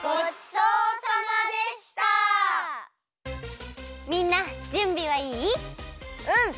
うん！